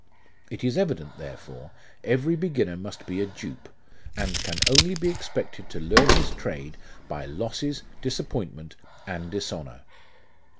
It is evident, therefore, every beginner must be a dupe, and can only be expected to learn his trade by losses, disappoint ments, and dishonour.